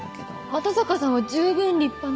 又坂さんは十分立派な。